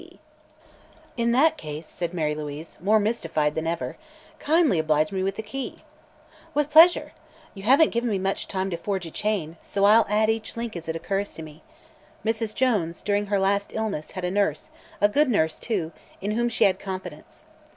B. C." "In that case," said Mary Louise, more mystified than ever, "kindly oblige me with the key." "With pleasure. You haven't given me much time to forge a chain, so I'll add each link as it occurs to me. Mrs. Jones, during her last illness, had a nurse; a good nurse, too, in whom she had confidence.